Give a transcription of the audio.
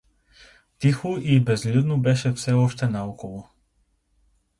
Тихо и безлюдно беше все още наоколо.